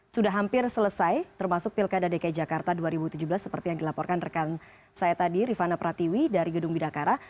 sudah hampir selesai termasuk pilkada dki jakarta dua ribu tujuh belas seperti yang dilaporkan rekan saya tadi rifana pratiwi dari gedung bidakara